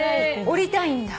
折りたいんだ。